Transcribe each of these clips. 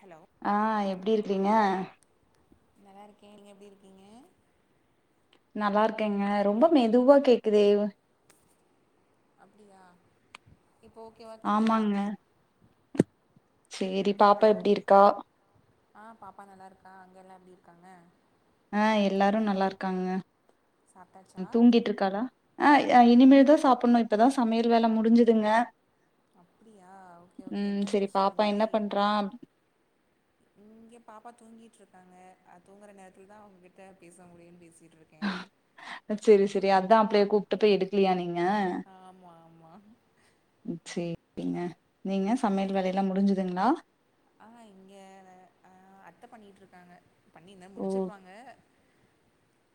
Hello ஆ எப்டி இருக்கீங்க நல்லா இருக்கே நீங்க எப்டி இருக்கீங்க நல்லா இருக்கேங்க ரொம்ப மெதுவா கேக்குதே அப்டியா இப்போ ஓகேவா கேக்குதா ஆமாங்க சேரி பாப்பா ஹலோ எப்டி இருக்கா ஆ பாப்பா நல்லா இருக்கா அங்கே எல்லா எப்டி இருக்காங்க அ எல்லாரு நல்லா இருக்காங்க சாப்ட்டாச்சா தூங்கிட்ருக்காளா ஆ அ இனிமே தா சாப்டணு இப்பதா சமையல் வேல முடிஞ்சுதுங்க அப்டியா ஓகே ஓகே ம் என்ன செரி ஸ்பெஷல் பாப்பா என்ன இன்னிக்கி பண்றா இங்க பாப்பா தூங்கிட் இருக்காங்க தூங்குற நேரத்துல தா உங்ககிட்ட பேச முடியும்ன்னு பேச சரி சரி அதா அப்லே கூப்ட்டப்ப போய் எடுக்கலியா நீங்க ஆமா ஆமா ஏ சேரிங்க நீங்க ஓகே சமையல் ஓகே வேலையெல்லா முடிஞ்சுதுங்களா ஆ இங்க ஆ அத்த பண்ணிட்ருக் பண்ணி இன்ன ஓ முடுச்சிருப்பாங்க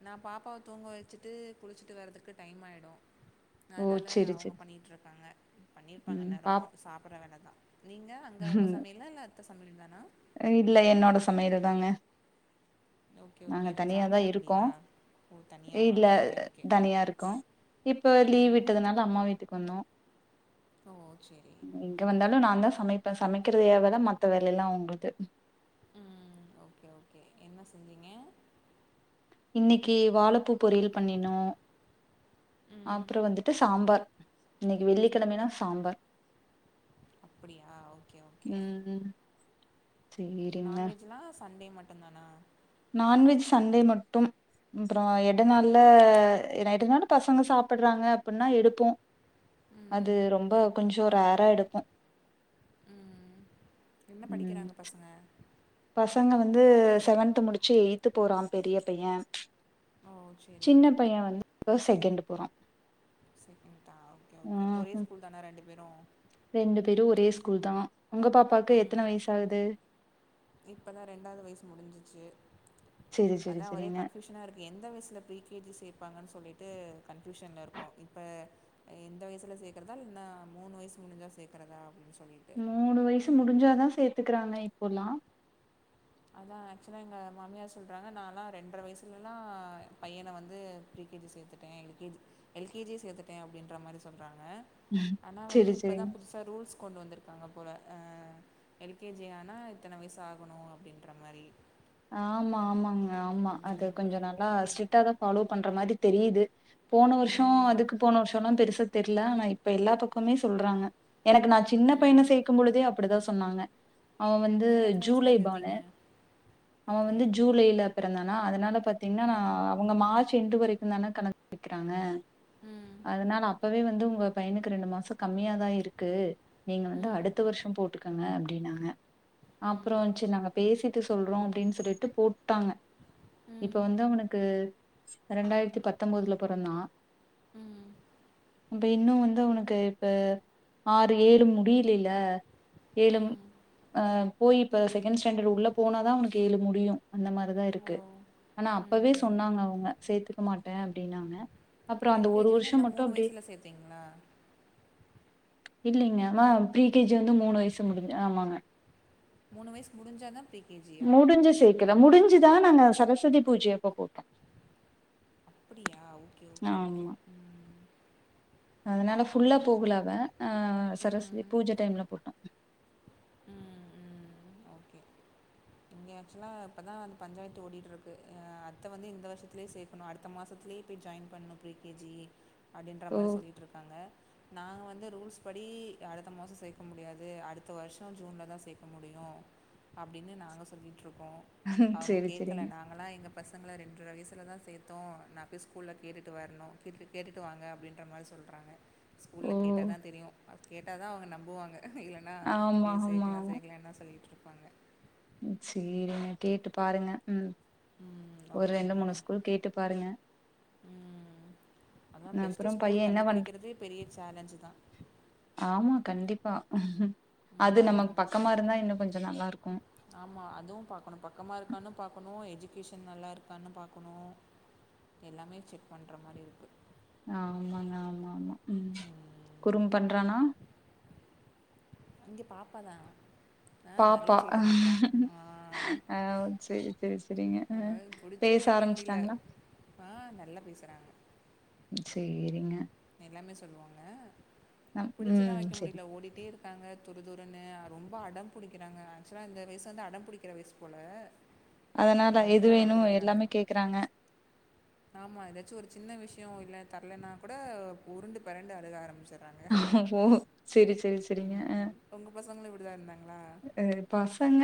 நா பாப்பாவ தூங்க வச்சுட்டு குளுச்சுட்டு வர்றதுக்கு டைம் ஆயிடு ஓ அதனால செரி அவங்க செரி பண்ணிட்டு இருக்காங்க பண்ணிருப்பாங்க ம் இந்நேரோ பாப் சாப் நீங்க அங்க உங்க சமையல்லா இல்ல அத்த சமையல் தானா இல்ல என்னோட சமையல் தாங்க ஓகே நாங்க ஓகே ஜாயிண்ட் தனியாதா இருக்கோ ஃபேமிலியா ஓ தனியாவா இல்ல ஓகே ஓகே தனியா இருக்கோ இப்ப லீவ் ம் விட்டதுனால அம்மா வீட்டுக்கு வந்தோ ஓ சேரி இங்க வந்தாலு நான்தா சமைப்பே சமைக்றது ஏ வேல மத்த வேலயல்லா அவ்ங்ள்து ம் ஓகே ஓகே என்ன செஞ்சீங்க இன்னிக்கி வாழப்பூ பொரியல் பண்ணினோ ம் அப்றோ வந்துட்டு சாம்பார் இன்னிக்கி வெள்ளிக்கிழமனா சாம்பார் அப்டியா ஓகே ஓகே ம் சேரிங்க நான்வெஜ்லா சண்டே மட்டுதானா நான்வெஜ் சன்டே மட்டும் அப்றோ எட நாள்ல நைட்டுனாலோ பசங்க சாப்புட்றாங்க அப்டீன்னா எடுப்போ அது ம் ரொம்போ கொஞ்சோ ரேர்ரா எடுப்போ ம் என்ன ம் படிக்குறாங்க பசங்க பசங்க வந்து செவன்த்து முடிச்சு எய்த்து போறா பெரிய பையே ஓ சேரி சின்ன பைய வந்து இப்பதா செகண்டு போறா செரிங்க ம் ஹு ரெண்டு பேரு ஒரே ஸ்கூல் தா உங்க பாப்பாக்கு ம் எத்தன வயச ஆகுது இப்பதா ரெண்டாவது வயசு முடிஞ்சுச்சு செரி செரி அதா ஒரே செரிங்க கன்ஃபியூஷனா இருக்கு எந்த வயசுல ப் ரீ கே ஜி சே ப் பாங்க சொல்லிட்டு கன்ஃப்யூஷன்ல இருக்கோ இப்ப இந்த வயசுல சேக்கறதா இல்லனா மூணு வயசு முடுஞ்சா சேக்குறதா அப்டீன்னு சொல்லி மூணு வயசு முடிஞ்சாதா சேத்துக்குறாங்க இப்பெல்லா அதா ஆக்சுவலா எங்க மாமியார் சொல்றாங்க நான்ல்லா ரெண்ட்ற வயசுலல்லா பையன வந்து ப்ரீ கே ஜி சேத்துட்டே L K G L K ஜியே சேத்துட்டே அப்டீன்ற மாரி சொன் திட்றாங்க ஆனா வந்து செரி இப்பதா செரிங்க புதுசா ரூல்ஸ் கொண்டு வந்துருக்காங்க போல அ எல் கே ஜி ஆனா இத்தன வயசு ஆகணோ அப்டீன்ற மாரி ஆமா ஆமாங்க ஆமா அது கொஞ்சோ நல்லா அ- ஸ்ட்ரிக்டாாதா ஃபாலோ பண்ற மாரி தெரியுது போன வர்ஷோ ம், அதுக்கு போன வருஷோல்லா பெருசா தெர்ல ஆனா இப்ப எல்லா பக்கமே சொல்றாங்க எனக்கு நா சின்ன பையன ம். சேக்கு போதே அப்டிதா சொன்னாங்க அவ வந்து நீங்கள் எத்தனை ஜூலை வயசில் பானு சேர்த்தீங்க அவ ஓகே வந்து ஜூலைல பிறந்தானா அதனால பாத்தீங்கன்னா ம் அவுங்க மார்ச் எண்ட் இது வரைக்கோ தானே கணக் வெக்குறாங்க ம் அதனால அப்பவே வந்து உ ங்க பையனுக்கு ரெண்டு மாசோ கம்மியா தா இருக்கு நீங்க வந்து ம் அடுத்த வர்சோ போட்டுக்குங்க அப்டீன்னாங்க ம் அப்றோ செரி நாங்க பேசிட்டு சொல்றோ அப்டின்னு சொல்லிட்டு போட்டாங்க இப்ப ம் வந்து அவனுக்கு ரெண்டாயிரத்தி பத்தொம்போதுல பொறந்தா ம் அப்ப இன்னோ வந்து அவனுக்கு இப்ப ஆறு ஏழு முடியுலல ஏழும் ம் அ போய் இப்ப செகண்ட் ஸ்டாண்டர்டு உள்ள போனாதா அவனுக்கு ஏழு முடியு அந்த மாரிதா ஓ இருக்கு ஆனா ம் அப்பவே ம் சொன்னாங்க அவுங்க சேத்துக்க மாட்டே அப்டீன்னாங்க எல் கே ஜி வந்து என்ன மூணு வயசுல சேத்தீங்களா இல்லீங்க மேம் ப்ரீ கே ஜி வந்து மூணு வயசு முடிஞ்சு ஆமாங்க மூணு வயசு முடிஞ்சாதா ப்ரீ முடிஞ்சு சேக்குல முடிஞ்சுதா நாங்க சரஸ்வதி பூஜயப்ப போட்டோ அப்புடியா ஓகே ஓகே ஓகே ஆமா ம் அதனால ஃபுல்லா ஓகேப்பா போகல அவ சரஸ்வதி ம் பூஜ டைம்ல போட்டோ ம் ம் இங்க ஆக்சுவலா இப்பதா அந்த பஞ்சாயத்து ஓடிட்டுருக்கு அ அத்த வந்து இந்த வர்ஷத்துலயே சேக்கணோ அடுத்த மாசோ பக்கத்லயே போய் ஜாயின் பண்ணணோ ப்ரீ கே ஜி அப்டீன்ற ஓ மாரி சொல்லிட்டுருக்காங்க நாங்க வந்து ரூல்ஸ் படி அடுத்த மாஸோ சேக்க முடியாது அடுத்த வர்ஷோ ஜூன்லதா சேக்க முடியோ அப்டின்னு நாங்க சொல்லிட்டுருக்கோ அவுங்க சேரி கேக்கல சேரிங்க நாங்களலா எங்க பசங்கள ரெண்ட்ற வயசுலாதா சேத்தோ நா போய் ஸ்கூல்ல கேட்டுட்டு வர்ணோ கேட்டு கேட்டுட்டு வாங்க அப்டீன்ற மாரி சொன் ஓ ஸ்கூல்ல கேட்டாதா தெரியு அது கேட்டா தா அவுங்க நம்புவாங்க இல்லன்னா ஆமா இப்பயே சேக்கலா சேக்கலானா சொல்லிட்டுருப்பாங்க ம் செரீங்க கேட்டு பாருங்க ம் ம். ஒரு ரெண்டு ஓகேங்க. மூணு ஸ்கூல் கேட்டு பாருங்க ம் அதா பெஸ்ட்டு அப்புறோ ஸ்கூல் பைய என்ன பண்ற கண்டுபிடிக்கிறதே பெரிய சேலஞ்சுதா ஆமா கண்டிப்பா அது நமக்கு ம். பக்கமா இருந்தா இன்னு கொஞ்சோ நல்லா இருக்கோ ஆமா அதுவும் பாக்கணு பக்கமா இருக்கான்னு பாக்கணு எஜுகேஷன் நல்லா இருக்கான்னு பாக்கணு எல்லாமே செக் பண்றா மாரி இருக்கு ஆமாங்க ஆமா ஆமா ம் ம். குறும் பண்றானா இங்க பாப்பாதா பாப்பா ஆ. அ சேரி சேரி சேரிங்க அ புடிச்சே பேச வைக்க முடியல. ஆரம்பிச்சிட்டாங்களா ஆ நல்லா பேசுறாங்க சேரிங்க எல்லாமே சொல்லுவாங்க நம் புடிச்சி தா ம் வெக்க செரி முடிய ஓடிட்டே இரு இருக்காங்க துருதுருன்னு ரொம்ப அடம் பிடிக்கிறாங்க ஆக்சுவலா இந்த வயசு வந்து அடம் புடிக்கிற வயசு போல அதனால ரொம்ப எது அடம் வேணு எல்லாமே கேக்குறாங்க ஆமா ஏதாச்சு ஒரு சின்ன விஷயோ இல் தரலன்னா கூட உருண்டு பெரண்டு அழுக ஆரம்பிச்சிட் ஓ சேரி சேரி சேரிங்க அ அப்டி தா இருந்தங்களா அ பசங்க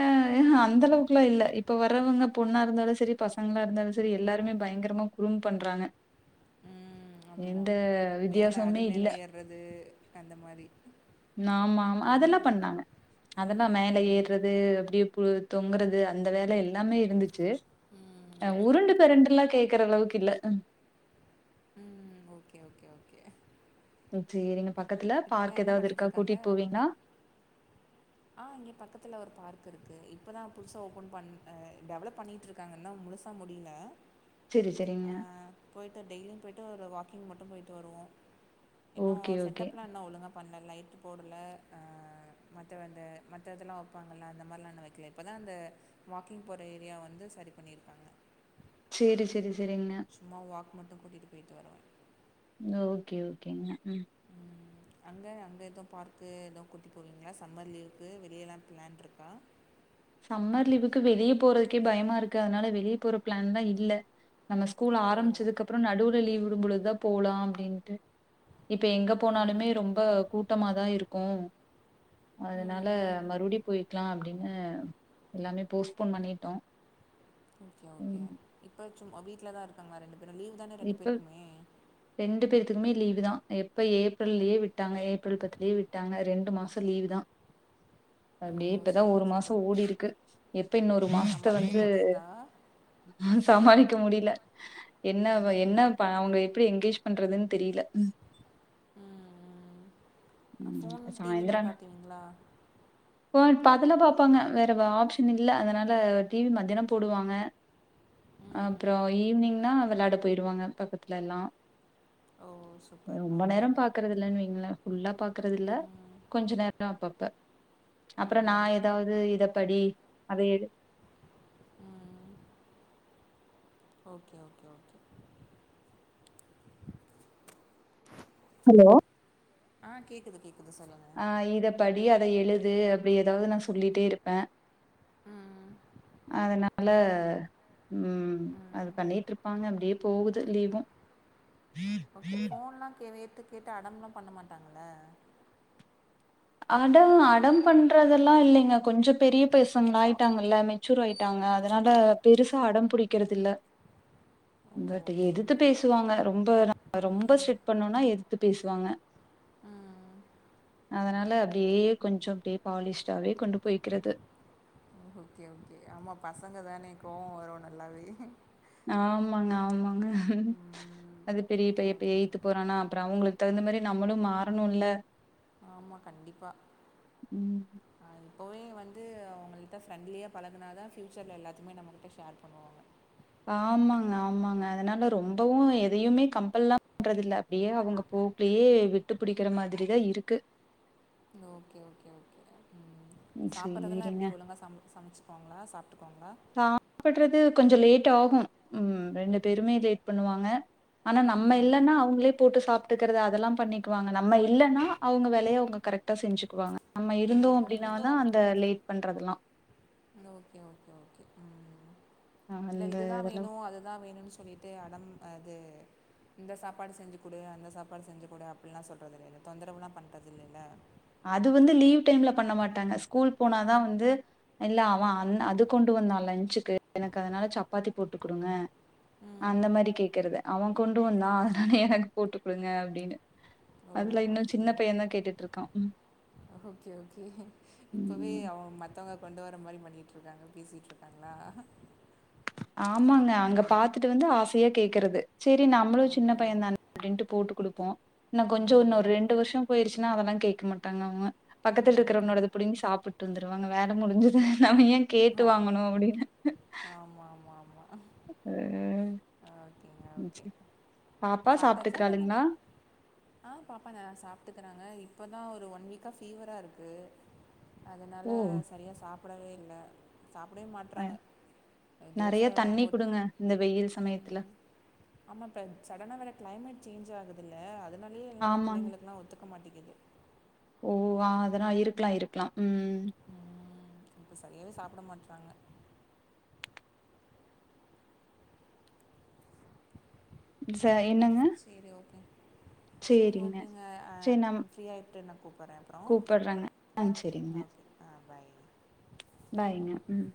அந்த அளவுக்குலா இல்ல இப்ப வர்றவங்க பொண்ணா இருந்தாலு சேரி பசங்களா இரு இருந்தாலு செரி எல்லாருமே பயங்கரமா குறும்பு பண்றாங்க ம் எந்த ஆமாம் மேலே அது வித்தியாசமுமே இல்ல மேலே ஏற்றது அந்த மாதி ஆமா ஆமா அதெல்லா பண்ணாங்க அதெல்லா மேல ம் ஏர்றது மேல அப்டியே தொங்குறது அந்த வே அந்த வேல எல்லாமே இருந்துச்சி ம் உருண்டு பெரண்டுல்லா கேக் க்கிற அளவுக்கு இல்ல ம் ஓகே ஓகே ஓகே சேரிங்க பக்கத்துல இப்போ எல்லாம் பார்க் என்ன ஏதாவது பண்ணிட்டு இருக்கா இருக்காங்க கூட்டிட்டு போவீங்களா ஆ இங்க பக்கத்துல ஒரு பார்க் இருக்கு இப்பதா புதுசா ஓபன் பன் ஆ டெவலப் பண்ணிட்டு இருக்காங்க இன்னோ முழுசா முடில செரி செரிங்க போயிட்டு டெய்லியு போயிட்டு ஒரு வாக்கிங் மட்டு போயிட்டு வருவோ இன்னு ஓகே ஓகே செட்டப்லா இன்ன ஒழுங்க பண்ண லைட்டு போடல அ மத் மத்த அந்த மத்த இதெல்லா வெப்பாங்கள்ல அந்த மாரிலா இன்னு வெக்கல இப்போதா அந்த வாக்கிங் போகற ஏரியா வந்து சரி பண்ணி சேரி சேரி சேரிங்க மட்டு கூட்டிட்டு போயிட்டு வருவே ஓகே ஓகேங்க ம் அங்க அங்க எதுவு பார்க்கு எதுவு கூட்டி போவீங்களா சம்மர் லீவுக்கு வெளியல்லா பிளான் இருக்கா சம்மர் லீவுக்கு வெளியே போறதுக்கே பயமா இருக்கு அதனால வெளியே போற பிளான்லா இல்ல நம்ம ஸ்கூல் ஓ ஆரம்பிச்சதுக்கு அப்புறோ நடுவுல லீவ் விடும்பொழுதுதா போலா அப்டின்ட்டு இப்ப எங்க போனாலுமே ம் ரொம்ப கூட்டமாதா இருக்கு அதனால ம் ம் மறுடி போயிக்கலாம் அப்டின்னு எல்லாமே போஸ்ட்பான் பண்ணிட்டோ ஓகே ஓகே ம் இப்ப சும்மா வீட்லதா இருக்காங்களா ரெண்டு பேரும் லீவ் தானே ரெண்டு இப்ப பேருக்குமே ரெண்டு பேத்துக்குமே லீவ் வுதா எப்ப ஏப்ரல்லயே விட்டாங்க ஏப்ரல் பத்துலயே விட்டாங்க ரெண்டு மாசோ லீவு தா ஓ அப்டியே இப்பதா ஒரு சூப்பர் மாசோ சூப்பர் ஓடிருக்கு எப்ப இன்னொரு மாசத்த சமாளிக்க வந்து முடியுதா சமாளிக்க முடில இன்னா அவ என்ன ம் ப அவுங்க எப்டி என்கரேஜ் பண்றதுன்னு தெரியல ம் ம் ஃபோன் டி வி ல்லா காட்டிவீங்களா ஃபோன் பாதிலபாப்பாங்க வேற வா ஆப்ஷ இன்னிக்கு இல்ல அதனால டி வி மதியானோ போடுவாங்க ம் அப்றோ ஈவ்னிங்னா விளாட யாட போயிருவாங்க பக்கத்துலல்லா ஓ சூப்பர் ஆ ரொம்ப நேரோ பாக்குறது இல்லன்னு வெயிங்களே ஃபுல்லா பாக்குறது இல்ல ம் கொஞ்ச நேரோ அப்பப்ப அப்றோ நா ம் எதாவது இத படி அத எடு ம் ஓகே ஓகே ஓகே ஹலோ ஆ கேக்குது கேக்குது ச ஆ இத படி அத எழுது அப்டி எதாவ்து நா சொல்லிட்டே இருப்பே ம் அதன ல ம் அது ம் பண்ணிட்ருப்பாங்க அப்டியே போகுது லீவு கிட்ட அடம்லா பண்ண மாட்டாங்கள்ல அடோ அடம் பண்றதெல்லா இல்லீங்க கொஞ்சோ பெரிய பெசங்களாயிட்டாங்கள்ல மெ ச்சூர் ஆயிட்டாங்க அதனால பெருசா அடம் புடிக்கிறதில்ல ஓ பட்டு ஓகே எதுத்து ஓகே பேசுவாங்க ரொம்பொ ந ரொம்ப ஸ்டிட் பண்ணோனா எதுத்து பேஸ் வாங்க ஆ ஆ அதனால அப்டியே கொஞ்சோ அப்டியே பாலிஷ்டாவே கொண்டு போய்கிறது ஓகே ஓகே ஆமா பசங்க தானே கோவோ வரு நல்லாவே ஆமாங்க ஆமாங்க ம் அது பெரிய பைய இப்ப ஓகே எய்த்து போறானா அப்றோ அவுங்குளு தகுந்த மாரி நம்மளு மாறணு இல்ல ஆமா கண்டிப்பா ம். ஆ இப்போவே வந்து அவுங்கள்ட்ட ஃப்ரெண்ட்லியா பழகுனாதா ஃப்யூச்சர்ல எல்லாத்திமே நம்மகிட்ட ஷேர் பண்ணுவாங்க ஆமாங்க ஆமாங்க அதனால ரொம்பவு எதையுமே கம்பல்லா பண்றதில்ல அப்டியே அவுங்கபோ போக்லியே விட்டு பிடிக்கிற மாதிரி தா இருக்கு ஓகே ஓகே ஓகே அ ம் சாப்பறதல்லா சரிங்க. எப்டி ஒழுங்கா சம் சமச்சுக்குவாங்ளா சாப்ட்டுக்குவாங்ளா [inaudible] பட்றது கொஞ்ஜோ லேட் ஆகு ம் ரெண்டு பேருமே லேட் பண்ணுவாங்க ஆனா நம்ம ம் இல்லன்னா அவுங்ளே போட்டு சாப் ட்டுக்கறது அதெல்லா பண்ணிக்குவாங்க நம்ம இல்லன்னா அவுங்க வேலைய அவுங்க கரெக்டா செஞ்சுக்குவாங்க நம்ம இருந்தோ ம் அப்டின்னாதா அந்த லேட் பண்றதெல்லா து ஓகே ஓகே ஓகே ம் இல்ல அந்த இதுதா அதெல்லா வேணு அதுதா வேணுன் சொல்லிட்டு அடம் அது இந்த சாப்பாடு செஞ்சு குடு அந்த சாப்பாடு செஞ்சு குடு அப்பில்லா சொல்றது இல்லை இல்ல தொந்தரவுலா பண்றதில்லை இல்ல அது வந்து லீவ் டைம்ல பண்ண மாட்டாங்க ஸ்கூல் போனாதா வந்து இல்ல அவ அந் அது கொண்டு வந்தா லன்சுக்கு எனக்கு அதனால சப்பாத்தி போட்டு குடுங்க அந்த ம் மாரி கேக்கறது அவ கொண்டு வந்தா அதுனால எனக்கு போட்டு குடுங்க அப்டினு ஓ அதுலா இன்னு சின்ன அப்படியா பையந்தா கேட்டுட்ருக்கா ஓகே ஓகே இப்பவே அவ மத்தவங்க கொண்டு வர மாரி ம ண்ணிட்ருக்காங்க பேசிட்ருக்காங்ளா ஆமாங்க அங்க பாத்துட்டு வந்து ஆசையா கேக்கறது செரி நம்மளு சின்ன ஓகே பையந்தா [inaudible] அப்டின்ட்டு போட்டு குடுப்போ இன்னு கொஞ்சோ இன்னு ஒரு ம் ரெண்டு வருஷோ போயிருச்சு னா அதல்லா கேக்க மாட்டாங்க அவுங்க பக்கத்துல ம் இருக்கறவனோடத புடிங்கி சாப்புட்டு வந்துருவாங்க வேல முடிஞ்சுது நம்ம ஏ கேட்டு ஆ வாங்கணு அப்டினு ஆமாம் ஆமாம் ஆமாம் அ ஓகேங்க ம் ச் ஓகே பாப்பா சாப்பிட்டாச்சா இல்லை இன்னும் சாப்ட்டுக்றாளுங்ளா ஆ பாப்பா நலா சாப்ட்டுக்கறாங்க இ ப்பதா ஒரு ஒன் வீக்கா ஃபீவராருக்கு அதனால ஓ சரியா சாப்படவே இல்ல சாப்டவே அ மாட்றாங்க அ தோச நெறைய தண்ணி போத் குடுங்க இந்த வெயில் அ ம் சமயத்துல ம் ஆமா இப்ப சடனா வேற கிளைமேட் சேஞ் ஆகுதுல்ல அதுனாலயே எல்லா ஆமாங்க பிள்ளைங்களுக்குலா ஒத்துக்க மாட்டிகிது ஓ ஆ அதனா இருக்லா இருக்லா ம் இப்ப சரியாவே சாப்ட மாட்றாங்க ச என்ன சேரி ஓகேங் சேரி சேரிங்க ஓகேங்க அ சரி நம் ஃப்ரீ ஆயிட்டு நா கூப்பட்றே அப்ற கூப்பட்றங்க ஆ சரிங்க ஓகே அ பாய் பாய்ங்க ம்